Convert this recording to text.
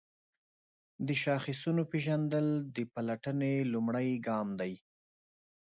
د شاخصونو پیژندل د پلټنې لومړی ګام دی.